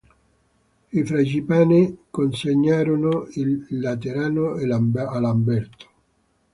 I Frangipane consegnarono il Laterano a Lamberto.